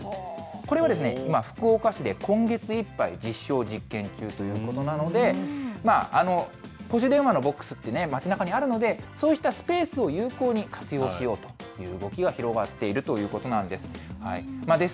これは今、福岡市で今月いっぱい、実証実験中ということなので、公衆電話のボックスってね、街なかにあるので、そういったスペースを有効に活用しようという動きが広がっているということなんです。